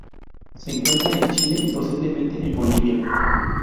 Se encuentra en Chile y, posiblemente en Bolivia.